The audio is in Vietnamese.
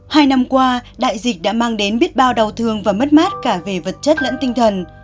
hai năm qua đại dịch đã mang đến biết bao đau thương và mất mát cả về vật chất lẫn tinh thần